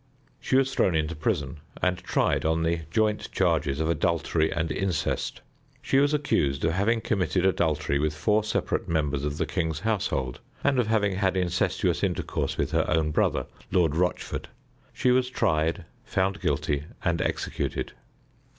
She was thrown into prison, and tried on the joint charges of adultery and incest. She was accused of having committed adultery with four separate members of the king's household, and of having had incestuous intercourse with her own brother, Lord Rochford. She was tried, found guilty, and executed.